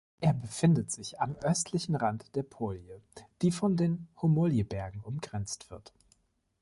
Er befindet sich am östlichen Rand der Polje, die von den Homolje-Bergen umgrenzt wird.